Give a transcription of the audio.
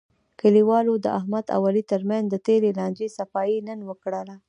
کلیوالو د احمد او علي ترمنځ د تېرې لانجې صفایی نن وکړله.